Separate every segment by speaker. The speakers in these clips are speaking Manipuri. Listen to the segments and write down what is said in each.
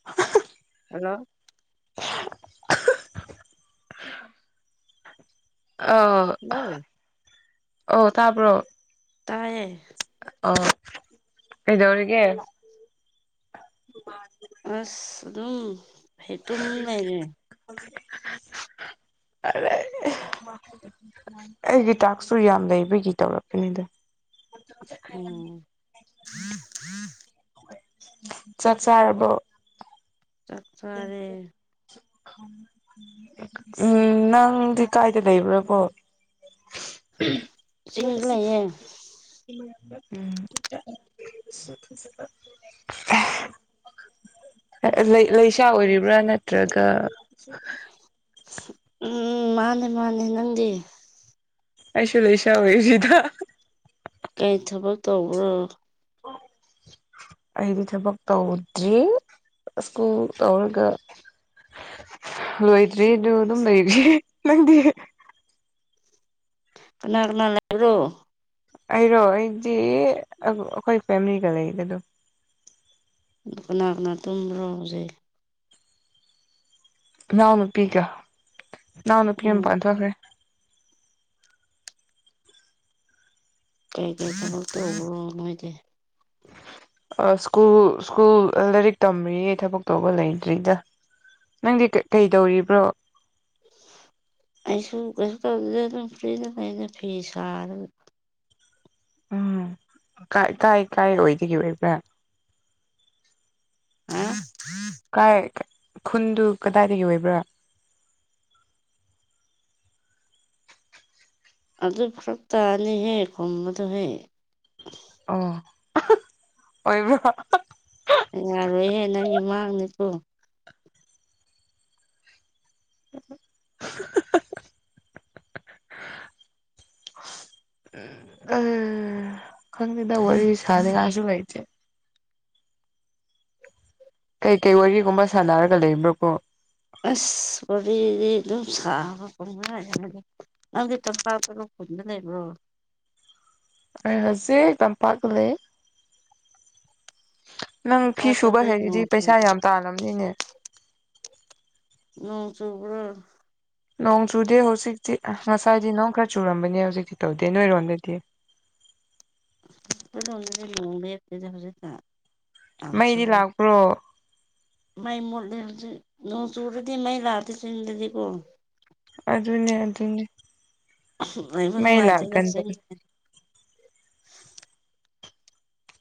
Speaker 1: [unintelligible]
Speaker 2: ꯍꯜꯂꯣ
Speaker 1: ꯑꯧ
Speaker 2: ꯍꯜꯂꯣ
Speaker 1: ꯑꯧ ꯇꯥꯕ꯭ꯔꯣ
Speaker 2: ꯇꯥꯏꯌꯦ
Speaker 1: ꯑꯣ ꯀꯩꯗꯧꯔꯤꯒꯦ
Speaker 2: ꯑꯁ ꯑꯗꯨꯝ ꯍꯦꯛꯇꯨꯝꯅꯤꯡ ꯂꯩꯔꯦ
Speaker 1: [unintelligible] ꯑꯩꯒꯤ ꯇꯥꯛꯁꯨ ꯌꯥꯝ ꯂꯩꯕꯒꯤ ꯇꯧꯔꯛꯄꯅꯤꯗ
Speaker 2: ꯑꯣ
Speaker 1: ꯆꯥꯛ ꯆꯥꯔꯕꯣ
Speaker 2: ꯆꯥꯛꯆꯥꯔꯦ
Speaker 1: [inaudible] ꯎꯝ ꯅꯪꯗꯤ ꯀꯥꯏꯗ ꯂꯩꯕ꯭ꯔꯕꯣ
Speaker 2: ꯆꯁꯤꯡꯗ ꯂꯩꯌꯦ
Speaker 1: [unintelligible] ꯑ ꯑ ꯂꯩ ꯂꯩꯁꯥ ꯑꯣꯏꯔꯤꯕ꯭ꯔꯥ ꯅꯠꯇ꯭ꯔꯒ [inaudible]
Speaker 2: ꯎꯝ ꯃꯥꯅꯦ ꯃꯥꯅꯦ ꯅꯪꯗꯤ
Speaker 1: ꯑꯩꯁꯨ ꯂꯣꯏ ꯁꯧꯋꯦ ꯁꯤꯗ
Speaker 2: ꯀꯩ ꯊꯕꯛ ꯇꯧꯕ꯭ꯔꯣ
Speaker 1: ꯍ ꯑꯩꯗꯤ ꯊꯕꯛ ꯇꯧꯗ꯭ꯔꯤ ꯁ꯭ꯀꯨꯜ ꯇꯧꯔꯒ ꯂꯣꯏꯗ꯭ꯔꯦ ꯑꯗꯨ ꯑꯗꯨꯝ ꯂꯩꯔꯤ ꯅꯪꯗꯤ
Speaker 2: ꯀꯅꯥ ꯀꯅꯥ ꯂꯩꯕ꯭ꯔꯣ
Speaker 1: ꯑꯩꯔꯣ ꯑꯩꯗꯤ ꯑꯩꯈꯣꯏ ꯐꯦꯃꯤꯂꯤꯒ ꯂꯩꯗꯦ ꯑꯗꯨꯝ
Speaker 2: ꯑꯗꯨ ꯀꯅꯥ ꯀꯅꯥ ꯇꯨꯝꯕ꯭ꯔꯣ ꯍꯧꯖꯤꯛ
Speaker 1: ꯏꯅꯥꯎ ꯅꯨꯄꯤꯒ ꯏꯅꯥꯎ ꯅꯨꯄꯤ
Speaker 2: ꯎꯝ
Speaker 1: ꯃꯄꯥꯟꯊꯣꯛꯈ꯭ꯔꯦ
Speaker 2: ꯀꯩ ꯀꯩ ꯊꯕꯛ ꯇꯧꯕꯔꯣ ꯃꯣꯏꯗꯤ
Speaker 1: ꯑ ꯁ꯭ꯀꯨꯜ ꯁ꯭ꯀꯨꯜ ꯂꯥꯏꯔꯤꯛ ꯇꯝꯔꯤꯌꯦ ꯊꯕꯛ ꯇꯧꯕ ꯂꯩꯇ꯭ꯔꯤꯗ ꯅꯪꯗꯤ ꯀꯩꯗꯧꯔꯤꯕ꯭ꯔꯣ
Speaker 2: ꯑꯩꯁꯨ ꯀꯩꯁꯨ ꯇꯧꯗꯗ ꯑꯗꯨꯝ ꯐ꯭ꯔꯤꯗ ꯑꯩꯅ ꯐꯤ ꯁꯥꯔꯒ
Speaker 1: ꯎꯝ ꯀꯥꯏ ꯀꯥꯏ ꯑꯣꯏꯗꯒ ꯑꯣꯏꯕ꯭ꯔꯥ
Speaker 2: ꯍꯥ
Speaker 1: ꯀꯥꯏ ꯈꯨꯟꯗꯨ ꯀꯗꯥꯏꯗꯒꯤ ꯑꯣꯏꯕ꯭ꯔꯥ
Speaker 2: ꯑꯗꯨ ꯐꯔꯛ ꯇꯥꯅꯤꯍꯦ ꯈꯨꯝꯕꯗꯣꯍꯦ
Speaker 1: ꯑꯣ ꯑꯣꯏꯕ꯭ꯔꯣ
Speaker 2: ꯌꯥꯔꯣꯏꯍꯦ ꯅꯪꯒꯤ ꯃꯥꯡꯅꯦꯀꯣ
Speaker 1: [unintelligible] ꯎꯝ ꯎꯟ ꯈꯪꯗꯦꯗ ꯋꯥꯔꯤ ꯁꯥꯅꯤꯡꯉꯥꯏꯁꯨ ꯂꯩꯇꯦ ꯀꯩ ꯀꯩ ꯋꯥꯔꯤꯒꯨꯝꯕ ꯁꯥꯟꯅꯔꯒ ꯂꯩꯕ꯭ꯔꯣ ꯀꯣ
Speaker 2: ꯑꯁ ꯋꯥꯔꯤꯗꯤ ꯑꯗꯨꯝ ꯁꯥꯕ ꯅꯪꯗꯤ ꯇꯄꯥꯛ ꯇ ꯄꯨꯗꯅꯦꯢꯕ꯭ꯔꯣ
Speaker 1: ꯍꯧꯖꯤꯦ ꯇꯝꯄꯄꯥꯛꯒ ꯂꯩ ꯅꯪ ꯐꯤ ꯁꯨꯕ
Speaker 2: ꯇꯝꯄꯥꯛꯇꯗꯤ
Speaker 1: ꯍꯩꯔꯗꯤ
Speaker 2: ꯅꯣꯡ
Speaker 1: ꯄꯩꯁꯥ
Speaker 2: ꯆꯨꯕ꯭ꯔꯣ
Speaker 1: ꯌꯥꯝ ꯇꯥꯜꯂꯝꯅꯤꯅꯦ
Speaker 2: ꯅꯣꯡ ꯆꯣꯕ꯭ꯔꯥ
Speaker 1: ꯅꯣꯡ ꯆꯨꯗꯦ ꯍꯧꯖꯤꯛꯇꯤ ꯉꯁꯥꯏꯗꯤ ꯅꯣꯡ ꯈꯔ ꯆꯨꯔꯝꯕꯅꯦ ꯍꯧꯖꯤꯛꯇꯤ ꯇꯧꯗꯦ ꯅꯣꯏꯔꯣꯝꯗꯗꯤ
Speaker 2: ꯗꯅ ꯑꯗꯨꯦꯀꯦꯖꯥꯁꯨꯥ
Speaker 1: ꯃꯩꯗꯤ ꯂꯥꯛꯄ꯭ꯔꯣ
Speaker 2: ꯃꯥꯏ ꯃꯣꯠꯂꯦꯕꯁꯨ ꯅꯣꯡ ꯆꯨꯔꯗꯤ ꯃꯩ ꯂꯥꯛꯑꯗꯤ ꯆꯤꯡꯗꯗꯤꯀꯣ
Speaker 1: ꯑꯗꯨꯅꯦ ꯑꯗꯨꯅꯦ
Speaker 2: ꯑꯩꯕꯨ
Speaker 1: ꯃꯩ
Speaker 2: ꯅꯨꯡꯉꯥꯏꯖꯦ ꯆꯠꯁ
Speaker 1: ꯂꯥꯛꯀꯟꯗꯕꯅꯤ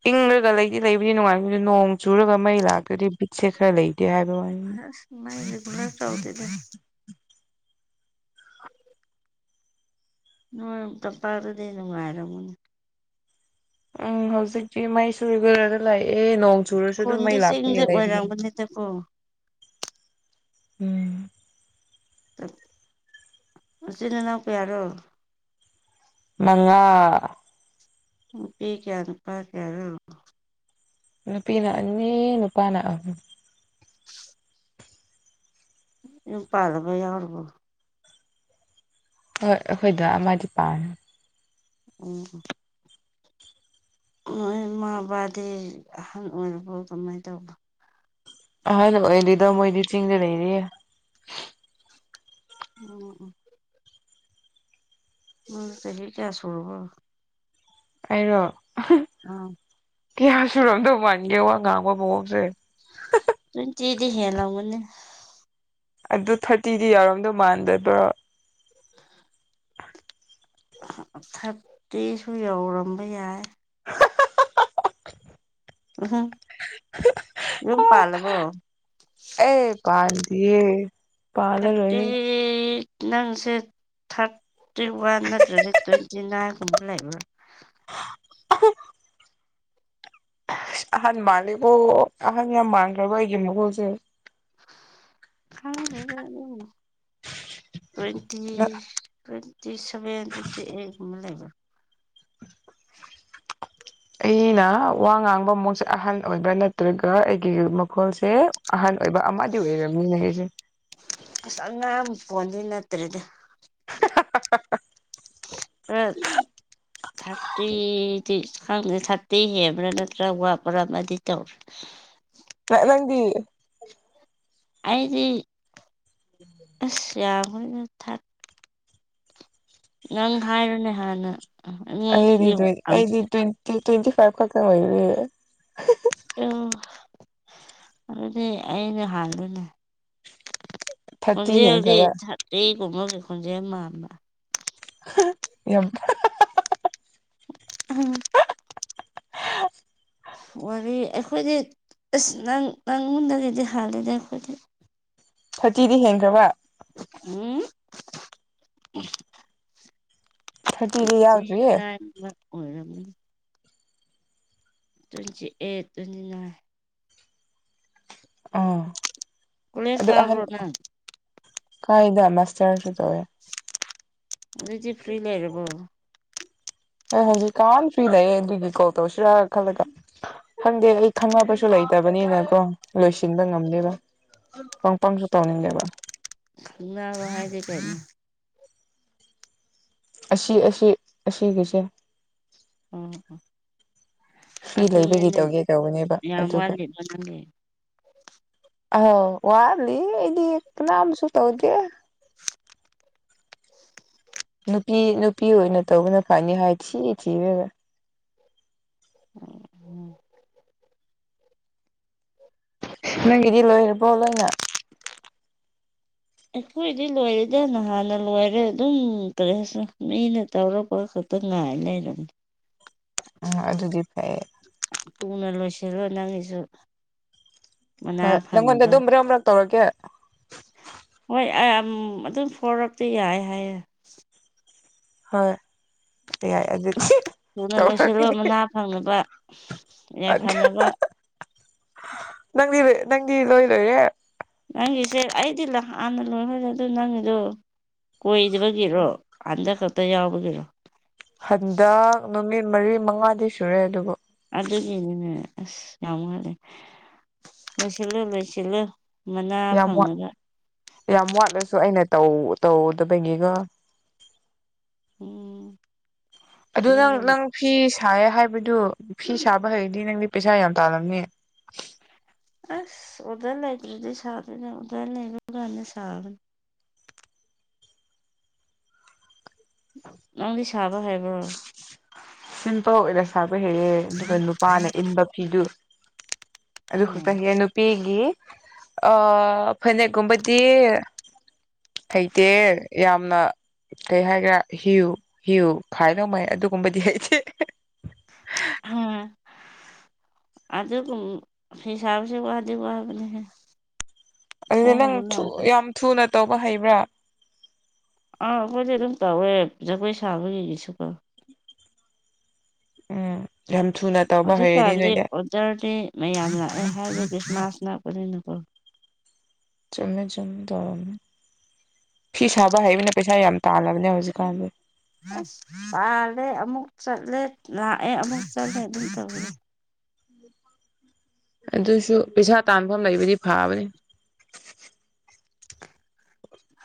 Speaker 1: ꯏꯪꯉꯒ ꯂꯩꯗꯤ ꯂꯩꯕꯗꯤ ꯅꯨꯡꯉꯥꯏ ꯅꯣꯡ ꯆꯨꯔꯒ ꯃꯩ ꯂꯥꯛꯇ꯭ꯔꯗꯤ ꯕꯤꯠꯁꯦ ꯈꯔ ꯂꯩꯇꯦ ꯍꯥꯏꯕ ꯋꯥꯅꯤ
Speaker 2: ꯅꯒꯅ ꯆꯥꯎꯧꯗꯗ ꯅꯣꯏ ꯇ ꯄꯥꯔꯗꯅ ꯉ ꯍꯥꯏꯔ ꯃꯨꯅ
Speaker 1: ꯎꯝ ꯍꯧꯖꯤꯛꯇꯤ ꯃꯩꯁꯨꯔꯤ ꯂꯥꯛꯑꯦ ꯅꯣꯡ ꯆꯨꯔꯁꯨ ꯑꯗꯨꯝ
Speaker 2: ꯈꯨꯟꯗꯤ
Speaker 1: ꯃꯩ ꯂꯥꯛꯄꯒꯤ
Speaker 2: ꯆꯤꯡꯗ
Speaker 1: ꯂꯩ [unintelligible]
Speaker 2: ꯑꯣꯏꯔꯝꯒꯅꯤꯗꯀꯣ
Speaker 1: ꯎꯝ
Speaker 2: ꯅꯆꯤꯟ ꯅꯅꯥꯎ ꯀꯌꯥꯔꯣ
Speaker 1: ꯃꯪꯉꯥ
Speaker 2: ꯅꯨꯄꯤ ꯀꯌꯥ ꯅꯨꯄꯥ ꯀꯌꯥꯔꯣ
Speaker 1: ꯅꯨꯄꯤꯅꯥ ꯑꯅꯤ ꯅꯨꯄꯥꯅꯥ ꯑꯍꯨꯝ
Speaker 2: ꯌꯨꯝ ꯄꯥꯜꯂꯕ ꯌꯥꯎꯔꯕꯣ
Speaker 1: ꯍꯣꯏ ꯑꯩꯈꯣꯏ ꯗꯥ ꯑꯃꯗꯤ ꯄꯥꯜꯂꯦ
Speaker 2: ꯎꯝ ꯑꯣ ꯏꯃꯥ ꯕꯥꯗꯤ ꯑꯍꯜ ꯑꯣꯏꯔꯕꯣ ꯀꯃꯥꯏꯅ ꯇꯧꯕ
Speaker 1: ꯑꯍꯟ ꯑꯣꯏꯗꯔꯤꯗ ꯃꯣꯏꯗꯤ ꯆꯤꯡꯗ ꯂꯩꯔꯤꯌꯦ
Speaker 2: ꯑꯣꯑꯣ ꯎꯝ ꯆꯍꯤ ꯀꯌꯥ ꯁꯨꯔꯕꯣ
Speaker 1: ꯑꯩꯔꯣ
Speaker 2: ꯑꯥ
Speaker 1: ꯀꯌꯥ ꯁꯨꯔꯝꯗꯧ ꯃꯥꯟꯒꯦ ꯋꯥ ꯉꯥꯡꯕ ꯃꯑꯣꯡꯁꯦ
Speaker 2: ꯇ꯭ꯋꯦꯟꯇꯤꯗꯤ ꯍꯦꯜꯂꯝꯒꯅꯤ
Speaker 1: ꯑꯗꯨ ꯊꯥꯔꯇꯤꯗꯤ ꯌꯥꯎꯔꯝꯗꯧ ꯃꯥꯟꯗꯕ꯭ꯔꯣ
Speaker 2: ꯊꯥꯔꯇꯤꯁꯨ ꯌꯧꯔꯝꯕ ꯌꯥꯏ
Speaker 1: [unintelligible]
Speaker 2: [unintelligible] ꯌꯨꯝ ꯄꯥꯜꯂꯕꯣ
Speaker 1: ꯑꯦ ꯄꯥꯟꯗꯤꯌꯦ
Speaker 2: ꯊ꯭ꯔꯇꯤ
Speaker 1: ꯄꯥꯜꯂꯔꯣꯏꯍꯦ
Speaker 2: ꯅꯪꯁꯦ ꯊꯥꯔꯇꯤ ꯋꯥꯟ ꯅꯠꯇ꯭ꯔꯒ ꯇ꯭ꯋꯦꯟꯇꯤ ꯅꯥꯏꯟꯒꯨꯝꯕ ꯂꯩꯕ
Speaker 1: [unintelligible] ꯑꯍꯥꯟ ꯃꯥꯜꯂꯤꯕꯣ ꯑꯍꯟ ꯌꯥꯝ ꯃꯥꯡꯈ꯭ꯔꯕ ꯑꯩꯒꯤ ꯃꯒꯨꯁꯦ
Speaker 2: ꯈꯪꯗꯦꯗ ꯑꯗꯨ ꯇ꯭ꯋꯦꯟꯇꯤ ꯇ꯭ꯋꯦꯟꯇꯤ ꯁꯚꯦꯟ ꯇ꯭ꯋꯦꯟꯇꯤ ꯑꯩꯠꯀꯨꯝꯕ ꯂꯩꯕ
Speaker 1: ꯑꯩꯅ ꯋꯥ ꯉꯥꯡꯕ ꯃꯑꯣꯡꯁꯦ ꯑꯍꯜ ꯑꯣꯏꯕ꯭ꯔꯥ ꯅꯠꯇ꯭ꯔꯒ ꯑꯩꯒꯤ ꯃꯈꯣꯜꯁꯦ ꯑꯍꯟ ꯑꯣꯏꯕ ꯑꯃꯗꯤ ꯑꯣꯏꯔꯝꯅꯤꯅꯦ ꯑꯩꯁꯦ
Speaker 2: ꯑꯁ ꯑꯉꯥꯡ ꯐꯣꯟꯗꯤ ꯅꯠꯇ꯭ꯔꯦꯗ
Speaker 1: [unintelligible]
Speaker 2: [unintelligible] ꯊꯥꯔꯇꯤꯗꯤ ꯈꯪꯗꯦ ꯊꯥꯔꯇꯤ ꯍꯦꯟꯕ꯭ꯔꯥ ꯅꯠꯇ꯭ꯔꯥ ꯋꯥꯠꯄ꯭ꯔꯥ ꯑꯃꯗꯤ ꯇꯧꯔꯦ
Speaker 1: ꯅꯪꯗꯤ
Speaker 2: ꯑꯩꯗꯤ ꯑꯁ ꯌꯥꯈꯣꯏꯅ ꯊ ꯅꯪ ꯍꯥꯏꯔꯨꯅꯦ ꯍꯥꯟꯅ ꯑꯩꯉꯣꯟꯗꯒꯤ ꯑꯪ
Speaker 1: ꯇꯨ ꯇ꯭ꯋꯦꯟꯇꯤ ꯐꯥꯏꯚ ꯈꯛ ꯇꯪ ꯑꯣꯏꯔꯤ
Speaker 2: ꯑꯌꯣ ꯑꯗꯨꯗꯤ ꯑꯩꯅ ꯍꯥꯟꯕꯅꯦ
Speaker 1: [inaudible]
Speaker 2: ꯈꯣꯟꯖꯦꯜꯗꯤ
Speaker 1: ꯍꯦꯟꯈ꯭ꯔꯕ
Speaker 2: ꯊꯥꯔꯇꯤ ꯒꯨꯝꯕꯒꯤ ꯈꯣꯟꯖꯦꯜ ꯃꯥꯟꯕ꯫
Speaker 1: [unintelligible] ꯌꯥꯝ
Speaker 2: [unintelligible]
Speaker 1: [inaudible]
Speaker 2: ꯋꯥꯔꯤ ꯑꯩꯈꯣꯏꯗꯤ ꯑꯁ ꯅꯪ ꯅꯪꯉꯣꯟꯗꯒꯤꯗꯤ ꯍꯥꯂꯦꯗ ꯑꯩꯈꯣꯏꯗꯤ
Speaker 1: ꯊꯥꯔꯇꯤꯗꯤ ꯍꯦꯟꯈ꯭ꯔꯕ
Speaker 2: ꯎꯝ
Speaker 1: ꯊꯥꯔꯇꯤꯗꯤ
Speaker 2: ꯇ꯭ꯋꯦꯟꯇꯤ
Speaker 1: ꯌꯥꯎꯗ꯭ꯔꯤꯌꯦ
Speaker 2: ꯅꯥꯏꯟ [unintelligible] ꯑꯣꯏꯔꯝꯅꯤ꯫ ꯇ꯭ꯋꯦꯟꯇꯤ ꯑꯩꯠ ꯇ꯭ꯋꯦꯟꯇꯤ ꯅꯥꯏꯟ
Speaker 1: ꯑ
Speaker 2: ꯀꯣꯂꯦꯖ
Speaker 1: ꯑꯗꯨ ꯑꯍꯟ
Speaker 2: ꯀꯥꯕ꯭ꯔꯣ ꯅꯪ
Speaker 1: ꯀꯥꯏꯗ ꯃꯁꯔꯁꯨ ꯇꯧꯋꯦ
Speaker 2: ꯑꯗꯨꯗꯤ ꯐ꯭ꯔꯤ ꯂꯩꯔꯕꯦꯔꯕꯣ
Speaker 1: ꯑꯦ ꯍꯧꯖꯤꯛ ꯀꯥꯟꯅ ꯐꯤꯏꯅꯑ ꯑꯗꯨꯒꯤ ꯀꯣꯜ ꯇꯧꯔꯁꯤꯔꯥ ꯈꯜꯂꯒ ꯈꯪꯗꯦ ꯑꯩ ꯈꯪꯅꯕꯁꯨ ꯂꯩꯇꯕꯅꯤꯅꯀꯣ ꯂꯣꯏꯁꯤꯟꯕ ꯉꯝꯗꯦꯕ ꯄꯪ ꯄꯪꯁꯨ ꯇꯧꯅꯤꯡꯒꯦꯕ
Speaker 2: ꯋꯥ ꯍꯥꯏꯗꯤ ꯀ
Speaker 1: ꯑꯁꯤ ꯑꯁꯤ ꯑꯁꯤꯒꯤꯁꯦ
Speaker 2: ꯑꯥ
Speaker 1: ꯐ꯭ꯔꯤ ꯂꯩꯕꯒꯤ ꯇꯧꯒꯦ ꯀꯅꯦꯕ
Speaker 2: ꯌꯥꯝ
Speaker 1: ꯑꯗꯨꯒ
Speaker 2: ꯋꯥꯠꯂꯤꯕ ꯅꯪꯒꯤ
Speaker 1: ꯑ ꯋꯥꯠꯂꯤ ꯑꯩꯗꯤ ꯀꯅꯥ ꯑꯃꯁꯁꯨ ꯇꯧꯗꯦ
Speaker 2: [unintelligible]
Speaker 1: ꯅꯨꯄꯤ ꯅꯨꯄꯤ ꯑꯣꯏꯅ ꯇꯧꯕꯅ ꯐꯅꯤ ꯍꯥꯏ ꯊꯤ ꯊꯤꯔꯦꯒ
Speaker 2: ꯑꯣ ꯎꯝ
Speaker 1: ꯅꯪꯒꯤꯗꯤ ꯂꯣꯏꯔꯕ꯭ꯔꯣ ꯂꯣꯏꯅ
Speaker 2: ꯑꯩꯈꯣꯏꯗꯤ ꯂꯣꯏꯔꯗ ꯅꯍꯥꯟꯅ ꯂꯣꯏꯔꯦ ꯑꯗꯨꯝ ꯀꯔꯤꯁꯨ ꯃꯤꯅ ꯇꯧꯔꯛꯄ ꯈꯛꯇ ꯇ ꯉꯥꯏ ꯂꯩꯔꯝꯅꯤ
Speaker 1: ꯎ ꯑꯗꯨꯗꯤ ꯐꯩꯌꯦ
Speaker 2: ꯇꯨꯅ ꯂꯣꯏꯁꯤꯜꯂꯣꯏ ꯅꯪꯒꯤꯁꯨ ꯃꯅꯥ
Speaker 1: ꯍꯣꯢ
Speaker 2: ꯐꯪꯅꯕ
Speaker 1: ꯑꯗꯨꯝꯕ꯭ꯔ ꯑꯣꯝ꯭ꯔꯒ ꯇꯧꯔꯀꯦ
Speaker 2: ꯍꯣꯏ ꯑꯗꯨꯝ ꯐꯣꯔꯣꯔꯛꯇ ꯌꯥꯏ ꯍꯥꯏꯌꯦ
Speaker 1: ꯍꯣꯏ ꯌꯥꯏ ꯑꯗꯨꯗꯤ
Speaker 2: ꯊꯨꯅ ꯂꯣꯏꯁꯤꯜꯂꯣ
Speaker 1: ꯇꯧꯔꯛꯀꯅꯤ
Speaker 2: ꯃꯅꯥ ꯐꯪꯅꯕ ꯌꯥꯏꯐꯅꯕ
Speaker 1: ꯅꯪꯗꯤꯣꯏ ꯅꯪꯗꯤ ꯂꯣꯏ ꯂꯣꯏꯔꯦ
Speaker 2: ꯅꯪꯒꯤꯁꯦ ꯑꯩꯗꯤ ꯍꯥꯟꯅ ꯂꯣꯏꯈꯅꯦ ꯑꯗꯨ ꯅꯪꯒꯤꯗꯣ ꯀꯣꯏꯗꯕꯒꯤꯔꯣ ꯍꯟꯗꯛ ꯈꯛꯇ ꯌꯥꯎꯕꯒꯤꯔꯣ
Speaker 1: ꯍꯟꯗꯛ ꯅꯨꯃꯤꯠ ꯃꯔꯤ ꯃꯉꯥꯗꯤ ꯁꯨꯔꯦ ꯑꯗꯨꯕꯨ
Speaker 2: ꯑꯗꯨꯒꯤꯅꯤꯅꯦ ꯑꯁ ꯌꯥꯝ ꯃꯥꯜꯂꯦ ꯂꯣꯏꯁꯤꯜꯂꯨ ꯂꯣꯏꯁꯤꯜꯂꯨ ꯃꯅꯥ
Speaker 1: ꯌꯥꯝ
Speaker 2: ꯐꯪꯅꯒ
Speaker 1: ꯌꯥꯝ ꯋꯥꯠꯂꯁꯨ ꯑꯩꯅꯧ ꯇꯧꯗꯕꯒꯤꯒ
Speaker 2: ꯎꯝ
Speaker 1: ꯑꯗꯨ ꯅꯪ
Speaker 2: ꯑꯗꯨꯅꯦꯕ
Speaker 1: ꯅꯪ ꯐꯤ ꯁꯥꯥꯏꯌꯦ ꯍꯥꯏꯕꯗꯨ ꯐꯤ ꯁꯥꯕ ꯍꯩꯔꯗꯤ ꯅꯪꯗꯤ ꯄꯩꯁꯥ ꯌꯥꯝ ꯇꯥꯜꯂꯝꯅꯤ
Speaker 2: ꯑꯁ ꯑꯣꯗ ꯂꯩꯇꯗꯤ ꯁꯥꯗꯅꯦ ꯑꯣꯗ ꯂꯩꯕꯒꯅꯤ ꯁꯥꯕ
Speaker 1: ꯑ [inaudible]
Speaker 2: ꯅꯪꯗꯤ ꯁꯥꯕ ꯍꯥꯏꯕ꯭ꯔꯣ
Speaker 1: ꯁꯤꯝꯇ ꯑꯣꯏꯅꯔ ꯁꯥꯕ ꯍꯦꯛꯑꯦ ꯑꯗꯨꯒ ꯅꯨꯄꯥꯅ ꯏꯟꯕ ꯐꯤꯗꯨ
Speaker 2: ꯎꯝ
Speaker 1: ꯑꯗꯨꯗꯤ ꯅꯨꯄꯤꯒꯤ ꯑ ꯐꯅꯦꯛ ꯀꯨꯝꯕꯗꯤ ꯍꯩꯇꯦ ꯌꯥꯝꯅ ꯀꯩ ꯍꯥꯏꯒꯦꯔꯥ ꯍꯤꯌꯨ ꯍꯤꯌꯨ ꯈꯥꯏ ꯂꯧꯧꯃꯩ ꯑꯗꯨꯒꯨꯝꯕꯗꯤ ꯍꯩꯇꯦ [unintelligible]
Speaker 2: ꯑꯗ ꯐꯤ ꯁꯥꯕꯁꯤ ꯋꯥꯗꯤ ꯋꯥꯕꯅꯤꯍꯦ
Speaker 1: ꯑꯗꯨꯗꯤ ꯅꯪ ꯌꯥꯝ ꯊꯨꯅ ꯇꯧꯕ ꯍꯩꯕ꯭ꯔꯥ
Speaker 2: ꯑꯥ ꯑꯩꯈꯣꯏꯗꯤ ꯑꯗꯨꯝ ꯇꯧꯋꯦ ꯖꯒꯣꯏ ꯁꯥꯕꯒꯤꯒꯤꯁꯨꯀꯣ
Speaker 1: ꯎꯝ ꯌꯥꯝ ꯊꯨꯅ ꯇꯧꯕ ꯍꯩꯔꯅꯤ ꯅꯣꯏꯅꯦ
Speaker 2: ꯆꯔꯗꯦ ꯃꯌꯥꯝ ꯂꯥꯛꯑꯦ ꯍꯥꯏꯗꯤ ꯈ꯭ꯔꯤꯁꯃꯥꯁ ꯂꯥꯛꯄꯅꯤꯅꯀꯣ
Speaker 1: ꯆꯨꯝꯃꯦ ꯆꯨꯝꯃꯦ ꯇꯧꯔꯝꯃꯦ ꯐꯤ ꯁꯥꯕ ꯍꯩꯕꯅ ꯄꯩꯁꯥ ꯌꯥꯝ ꯇꯥꯜꯂꯕꯅꯦ ꯍꯧꯖꯤꯛꯀꯥꯟꯗꯤ
Speaker 2: ꯑ ꯇꯥꯂꯦ ꯑꯃꯨꯛ ꯆꯠꯂꯦ ꯂꯥꯛꯑꯦ ꯑꯃꯨꯛ ꯆꯠꯂꯦ ꯑꯗꯨꯝ ꯇꯦ
Speaker 1: ꯑꯗꯨꯁꯨ ꯄꯩꯁꯥ ꯇꯥꯟꯐꯝ ꯂꯩꯕꯗꯤ ꯐꯥꯕꯅꯤ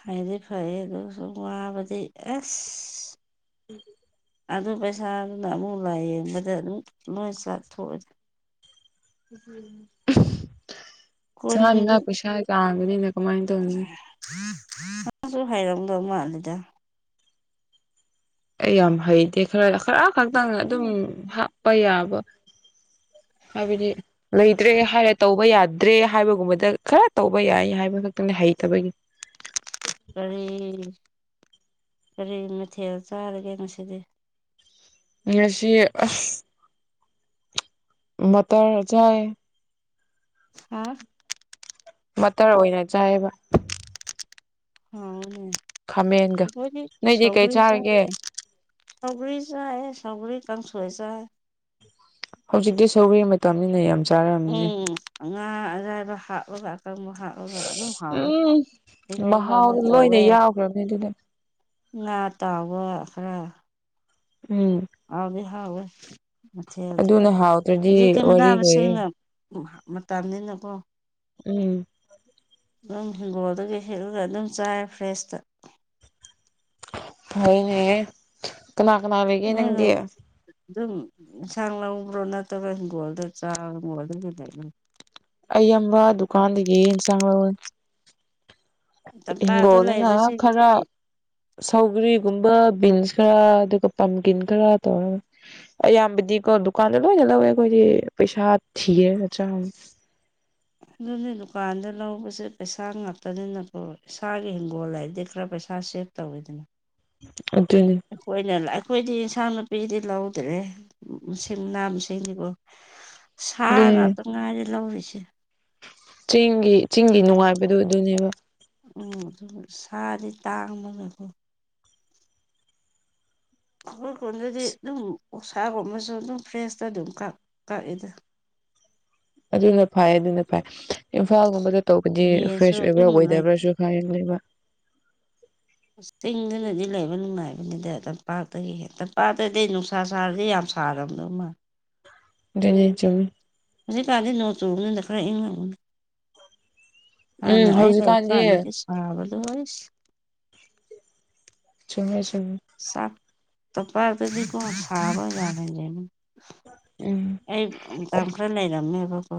Speaker 2: ꯍꯥꯏꯗꯤ ꯐꯩ ꯑꯗꯨꯒ ꯁ ꯋꯥꯕꯗꯤ ꯑꯁ
Speaker 1: ꯎꯝ
Speaker 2: ꯑꯗꯨ ꯄꯩꯁꯥꯗꯨꯅ ꯑꯃꯨꯛ ꯂꯥꯏꯌꯦꯡꯕꯗ ꯑꯗꯨꯝ ꯂꯣꯏ ꯆꯥꯛꯊꯣꯛꯑ
Speaker 1: ꯆꯥꯅꯤꯡ ꯉ ꯄꯩꯁꯥ ꯀꯥꯡꯒꯅꯤꯅ
Speaker 2: ꯀꯥꯅꯥꯁꯨ ꯍꯩꯔꯝꯗꯧ ꯃꯥꯟꯗꯦꯗꯥ
Speaker 1: ꯑꯩ ꯌꯥꯝ ꯍꯩꯇꯦ ꯈꯔ ꯈꯔ ꯈꯛꯇꯪ ꯑꯗꯨꯝ ꯍꯥꯞꯄ ꯌꯥꯕ ꯍꯥꯏꯕꯗꯤ ꯂꯩꯇ꯭ꯔꯦ ꯍꯥꯏꯔꯦ ꯇꯧꯕ ꯌꯥꯗ꯭ꯔꯦ ꯍꯥꯏꯕꯒꯨꯝꯕꯗ ꯈꯔ ꯇꯧꯕ ꯌꯥꯏ ꯍꯥꯏꯕ ꯈꯛꯇꯪꯅꯦ ꯍꯩꯇꯕꯒꯤ
Speaker 2: ꯀꯔꯤ ꯀꯔꯤ ꯃꯊꯦꯜ ꯆꯥꯔꯒꯦ ꯉꯁꯤꯗꯤ
Speaker 1: ꯉꯁꯤ ꯑꯁ ꯃꯠꯇꯟ ꯆꯥꯏ
Speaker 2: ꯍꯥ
Speaker 1: ꯃꯇꯟ ꯑꯣꯏꯅ ꯆꯥꯏꯕ
Speaker 2: ꯍꯥꯎꯅꯦ
Speaker 1: ꯈꯥꯃꯦꯟꯒ
Speaker 2: ꯀꯗꯤ
Speaker 1: ꯅꯣꯏꯗꯤ ꯀꯩ
Speaker 2: ꯁꯧꯒꯔꯤ ꯆꯥꯏ
Speaker 1: ꯆꯥꯔꯒꯦ
Speaker 2: ꯁꯧꯒ꯭ꯔꯤ ꯆꯥꯏ ꯁꯧꯒꯔꯤ ꯀꯥꯡꯁꯣꯏ ꯆꯥꯏ
Speaker 1: ꯍꯧꯖꯤꯛꯇꯤ ꯁꯧꯒꯔꯤ ꯃꯇꯝꯅꯤꯅ ꯌꯥꯝ ꯆꯥꯔꯝꯅꯤ
Speaker 2: ꯎꯝ ꯉꯥ ꯑꯔꯥꯏꯕ ꯍꯥꯞꯂꯒ ꯑꯀꯪꯕ ꯍꯥꯞ ꯑꯗꯨꯒ ꯑꯗꯨꯝ ꯍꯥꯎꯋꯦ
Speaker 1: ꯎꯝ
Speaker 2: ꯏꯔꯣꯟꯕ ꯑꯃ
Speaker 1: ꯃꯍꯥꯎꯗꯣ
Speaker 2: ꯇꯧꯋꯦ
Speaker 1: [unintelligible]
Speaker 2: ꯉꯥ ꯇꯥꯎꯕ ꯈꯔ
Speaker 1: ꯎꯝ
Speaker 2: ꯍꯥꯎꯗꯤ ꯍꯥꯎꯋꯦ ꯃꯊꯦꯜꯗꯤ
Speaker 1: ꯑꯗꯨꯅ ꯍꯥꯎꯇ꯭ꯔꯗꯤ
Speaker 2: ꯍꯧꯖꯤꯛꯇꯤ ꯃꯅꯥ
Speaker 1: ꯋꯥꯔꯤ ꯂꯣꯏꯔꯦ
Speaker 2: ꯃꯁꯤꯡꯅ ꯃꯇꯝꯅꯤꯅꯀꯣ
Speaker 1: ꯎꯝ
Speaker 2: ꯑꯗꯨꯝ ꯍꯤꯡꯒꯣꯜꯗꯨꯒꯤ ꯍꯦꯛꯂꯒ ꯑꯗꯨꯝ ꯆꯥꯏꯔꯦ ꯐ꯭ꯔꯦꯁꯇ
Speaker 1: ꯍꯣꯏ ꯅꯦ ꯀꯅꯥ ꯀꯅꯥ ꯂꯩꯒꯦ ꯅꯪꯗꯤ
Speaker 2: ꯅꯣꯏꯔꯣꯝ ꯑꯗꯨꯝ ꯑꯦꯟꯁꯥꯡ ꯂꯕ꯭ꯔꯣ ꯅꯠꯇꯕ ꯍꯤꯡꯒꯣꯜꯗ ꯆꯥ ꯍꯤꯡꯒꯣꯜꯗ ꯑꯗꯨꯝ
Speaker 1: ꯑꯩ ꯑꯝꯕ ꯗꯨꯀꯥꯟꯗꯒꯤ ꯏꯟꯁꯥꯡ ꯂꯧꯋꯦ
Speaker 2: ꯇꯝꯄꯥꯛꯇ
Speaker 1: ꯍꯤꯡꯒꯣꯗꯅ
Speaker 2: ꯂꯩꯕꯁꯤꯡꯗꯤ
Speaker 1: ꯈꯔ ꯁꯧꯒꯔꯤꯒꯨꯝꯕ ꯕꯤꯟꯁ ꯈꯔ ꯑꯗꯨꯒ ꯄꯝꯀꯤꯟ ꯈꯔ ꯇꯧꯔꯒ ꯑꯌꯥꯝꯕꯗꯤꯀꯣ ꯗꯨꯀꯥꯟꯗ ꯂꯣꯏꯅ ꯂꯧꯋꯦ ꯑꯩꯈꯣꯏꯗꯤ ꯄꯩꯁꯥ ꯊꯤꯔꯒ
Speaker 2: ꯑꯗꯨꯅꯤ ꯗꯨꯀꯥꯟꯗ ꯂꯧꯕꯁꯦ ꯄꯩꯁꯥ ꯉꯥꯛꯇꯅꯤꯅꯀꯣ ꯏꯁꯥꯒꯤ ꯍꯪꯒꯣꯜ ꯍꯥꯏꯔꯗꯤ ꯈꯔ ꯄꯩꯁꯥ ꯁꯦꯞ ꯇꯧꯋꯦꯗꯅ
Speaker 1: ꯑꯗꯨꯅꯦ
Speaker 2: ꯑꯩꯈꯣꯏꯅ ꯑꯩꯈꯣꯏꯗꯤ ꯏꯟꯁꯥꯡ ꯅꯥꯄꯤꯗꯤ ꯂꯧꯗ꯭ꯔꯦ ꯃꯁꯤꯡ ꯅꯥ ꯃꯁꯤꯡꯅꯤꯀꯣ ꯁꯥꯅ
Speaker 1: ꯑꯗꯨꯅꯤ
Speaker 2: ꯉꯥꯛꯇ ꯉꯥꯏꯔꯦ ꯂꯧꯔꯤꯁꯦ
Speaker 1: ꯆꯦꯡꯒꯤ ꯆꯤꯡꯒꯤ ꯅꯨꯡꯉꯥꯏꯕꯗꯨ ꯑꯗꯨꯅꯦꯕ
Speaker 2: ꯎꯝ ꯑꯗꯨ ꯁꯥꯗꯤ ꯇꯥꯡꯕꯅꯦꯀꯣ ꯑꯩꯈꯣꯏ ꯈꯨꯟꯗꯗꯤ ꯑꯗꯨꯝ ꯁꯥꯒꯨꯝ ꯑꯃꯁꯨ ꯑꯗꯨꯝ ꯐ꯭ꯔꯦꯁꯇ ꯑꯗꯨꯝ ꯀꯛꯑꯗ
Speaker 1: ꯑꯗꯨꯅ ꯐꯥꯏ ꯑꯗꯨꯅ ꯐꯥꯏ ꯏꯝꯐꯥꯜꯒꯨꯝꯕꯗ ꯇꯧꯕꯗꯤ
Speaker 2: ꯌꯦꯟꯁꯨ
Speaker 1: ꯐ꯭ꯔꯦꯁ ꯑꯣꯏꯕ꯭ꯔꯥ
Speaker 2: ꯑꯗꯨꯝ
Speaker 1: ꯑꯣꯏꯗꯕ꯭ꯔꯥꯁꯨ ꯈꯔꯌꯦꯡ ꯂꯩꯕ
Speaker 2: ꯆꯤꯡꯗꯨꯅꯗꯤ ꯂꯩꯕ ꯅꯨꯡꯉꯥꯏꯕꯅꯤꯗ ꯇꯝꯄꯥꯛꯇꯒꯤ ꯇꯝꯄꯥꯛꯇꯗꯤ ꯅꯨꯡꯁꯥ ꯁꯥꯔꯗꯤ ꯌꯥꯝ ꯊꯥꯔꯝꯗꯧ ꯃꯥꯜꯂꯦ
Speaker 1: ꯑꯗꯨꯅꯦ ꯆꯨꯝꯃꯦ
Speaker 2: ꯍꯧꯖꯤꯛ ꯀꯥꯟꯗꯤ ꯅꯣꯡ ꯆꯨꯕꯅꯤꯅ ꯈꯔ ꯏꯪꯉꯥꯡꯒꯅꯤ ꯍꯥꯟꯅ
Speaker 1: ꯎꯝ
Speaker 2: ꯑꯩ ꯂꯩꯕ
Speaker 1: ꯍꯧꯖꯤꯛꯀꯥꯟꯗꯤ
Speaker 2: ꯀꯥꯟꯗꯗꯤ ꯁꯥꯕꯗꯨ ꯑꯣꯏꯁ
Speaker 1: ꯆꯨꯝꯃꯦ ꯆꯨꯝꯃꯦ
Speaker 2: [unintelligible]
Speaker 1: ꯎꯝ
Speaker 2: ꯑꯩꯗꯥꯥꯡ ꯈꯔ ꯂꯩꯔꯝꯃꯦꯕꯀꯣ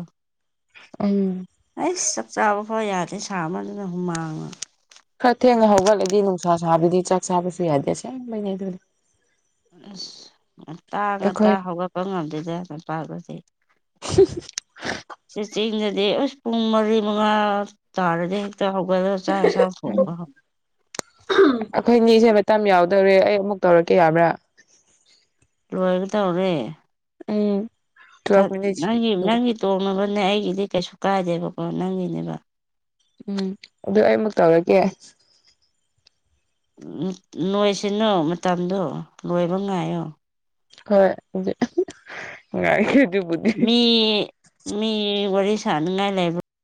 Speaker 1: ꯎꯝ
Speaker 2: ꯑꯩ ꯆꯥꯛ ꯆꯥꯕ ꯐꯥꯎ ꯌꯥꯗꯦ ꯁꯥ ꯑꯃ ꯑꯗꯨꯅ ꯍꯨꯃꯥꯡꯅ
Speaker 1: ꯈꯔ ꯊꯦꯡꯅ ꯍꯧꯒꯠꯂꯗꯤ ꯅꯨꯡꯁꯥ ꯁꯥꯕꯗꯤ ꯆꯥꯛ ꯁꯥꯕꯁꯨ ꯌꯥꯗꯦ ꯑꯁꯦꯡꯕꯩꯅꯦ ꯑꯗꯨꯅꯦ꯫
Speaker 2: ꯑꯁ ꯉꯇꯥ ꯉꯥꯛꯇ
Speaker 1: ꯑꯩꯈꯣꯏ
Speaker 2: ꯍꯧꯒꯠꯄ ꯉꯝꯗꯦꯗ ꯂꯝꯄꯥꯛꯁ꯫
Speaker 1: [inaudible]
Speaker 2: ꯁꯤ ꯆꯦꯡꯗꯗꯤ ꯑꯁ ꯄꯨꯡ ꯃꯔꯤ ꯃꯉꯥ ꯇꯥꯔꯗꯤ꯫ ꯍꯧꯒꯗ ꯆꯥ ꯆꯥꯛ ꯊꯣꯡꯕ꯫
Speaker 1: ꯎꯝ ꯑꯩꯈꯣꯏꯅꯤꯁꯦ ꯃꯇꯝ ꯌꯥꯎꯗꯧꯔꯦ ꯑꯩ ꯑꯃꯨꯛ ꯇꯧꯔꯛꯀꯦ ꯌꯥꯕ꯭ꯔꯥ꯫
Speaker 2: ꯂꯣꯏꯒ ꯇꯧꯔꯦ
Speaker 1: ꯎꯝ ꯇꯨꯋꯦꯜꯐ ꯃꯤꯅꯤꯠꯁ
Speaker 2: ꯅꯪ ꯅꯪꯒꯤ꯫ ꯇꯣꯡꯉꯕꯅꯦ ꯑꯩꯒꯤꯗꯤ ꯀꯩꯁꯨ ꯀꯥꯏꯗꯦꯕꯀꯣ ꯅꯪꯒꯤꯅꯦꯕ꯫
Speaker 1: ꯎꯝ ꯑꯗꯨ ꯑꯩꯃꯨ ꯇꯧꯔꯒꯦ꯫
Speaker 2: ꯅꯣꯏꯁꯤꯅꯨ ꯃꯇꯝꯗꯣ ꯂꯣꯏꯕ ꯉꯥꯏꯌꯣ꯫
Speaker 1: ꯍꯣꯏ ꯉꯥꯏꯒꯦ ꯑꯗꯨꯕꯨ꯫
Speaker 2: ꯃꯤ ꯃꯤ ꯋꯥꯔꯤ ꯁꯅꯉꯥꯏ ꯂꯩꯕ꯫